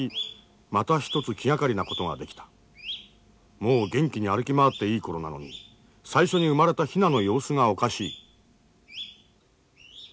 もう元気に歩き回っていい頃なのに最初に生まれたヒナの様子がおかしい。